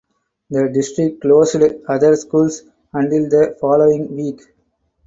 The district closed other schools until the following week.